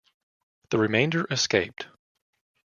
The remainder escaped.